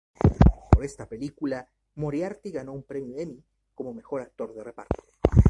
Por esta película, Moriarty ganó un premio Emmy como mejor actor de reparto.